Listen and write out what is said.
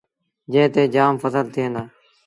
جݩهݩ تي جآم ڦسل ٿئيٚݩ دآ۔